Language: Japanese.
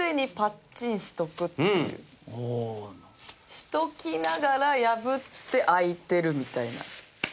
しておきながら破って開いてるみたいな。